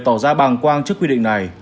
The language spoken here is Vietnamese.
tỏ ra bàng quang trước quy định này